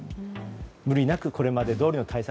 無理なくこれまでどおりの対策